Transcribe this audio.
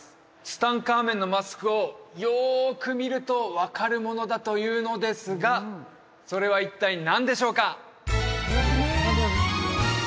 ツタンカーメンのマスクをよく見ると分かるものだというのですがそれは一体何でしょうか？